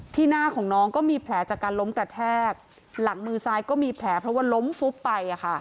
หน้าของน้องก็มีแผลจากการล้มกระแทกหลังมือซ้ายก็มีแผลเพราะว่าล้มฟุบไป